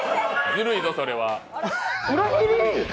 ずるいぞ、それは。